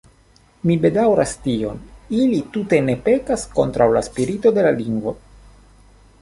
Mi bedaŭras tion: ili tute ne pekas kontraŭ la spirito de la lingvo.